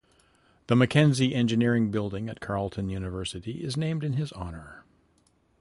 The Mackenzie Engineering Building at Carleton University is named in his honour.